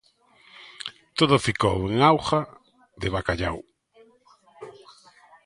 Todo ficou en auga de bacallau.